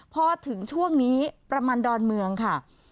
พอถึงช่วงนี้ประมาณดอนเมืองค่ะ